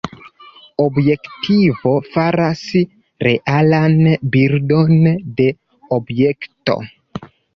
Objektivo faras realan bildon de objekto.